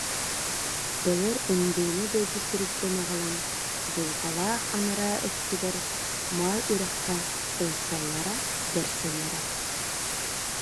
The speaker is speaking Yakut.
Былыр ындыыны дойду сириттэн аҕалан Дулҕалаах анараа өттүгэр Моой Үрэххэ ылсаллара-бэрсэллэрэ